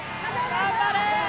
・頑張れ。